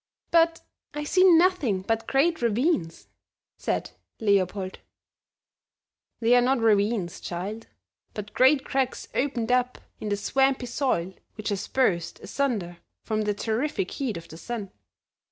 "But I see nothing but great ravines," said Leopold. "They are not ravines, child, but great cracks opened up in the swampy soil which has burst asunder from the terrific heat of the sun.